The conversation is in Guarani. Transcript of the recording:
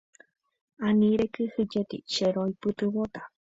Ani rekyhyjéti, che roipytyvõta.